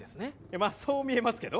まあそう見えますけど。